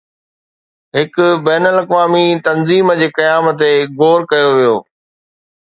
هڪ بين الاقوامي تنظيم جي قيام تي غور ڪيو ويو